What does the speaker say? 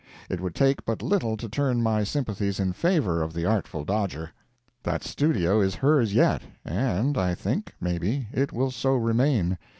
It would take but little to turn my sympathies in favor of the Artful Dodger. That studio is hers yet, and I think, maybe, it will so remain.